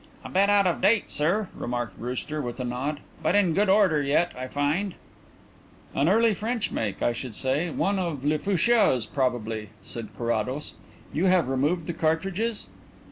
"A bit out of date, sir," remarked Brewster, with a nod. "But in good order yet, I find." "An early French make, I should say; one of Lefaucheux's probably," said Carrados. "You have removed the cartridges?"